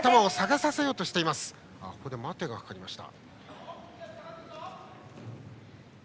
待てがかかりました。